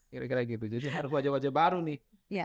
jadi harus wajah wajah baru nih